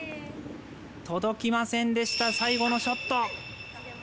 届きませんでした最後のショット。